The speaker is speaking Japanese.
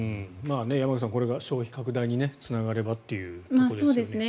山口さん、これから消費拡大につながればというところですね。